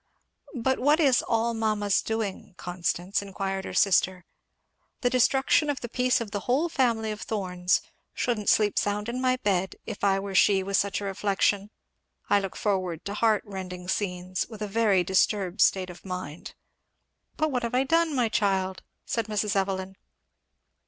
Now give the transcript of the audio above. "But what is 'all mamma's doing,' Constance?" inquired her sister. "The destruction of the peace of the whole family of Thorns shouldn't sleep sound in my bed if I were she with such a reflection. I look forward to heart rending scenes, with a very disturbed state of mind." "But what have I done, my child?" said Mrs. Evelyn.